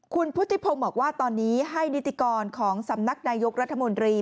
คุณพุทธิพงศ์บอกว่าตอนนี้ให้นิติกรของสำนักนายกรัฐมนตรี